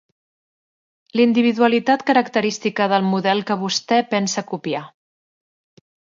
L'individualitat característica del model que vostè pensa copiar